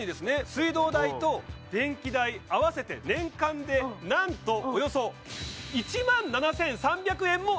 水道代と電気代合わせて年間でなんとおよそ１万７３００円も節約になっちゃうんですって